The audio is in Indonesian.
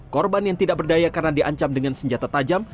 korban yang tidak berdaya karena diancam dengan senjata tajam